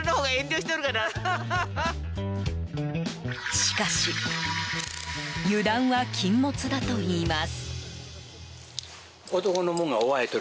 しかし油断は禁物だといいます。